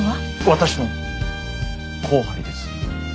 私の後輩です。